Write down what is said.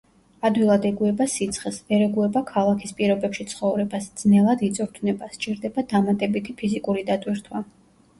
ადვილად ეგუება სიცხეს, ვერ ეგუება ქალაქის პირობებში ცხოვრებას, ძნელად იწვრთნება, სჭირდება დამატებითი ფიზიკური დატვირთვა.